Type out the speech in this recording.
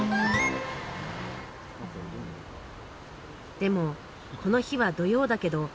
でもこの日は土曜だけど。